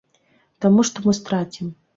Таму што мы страцім.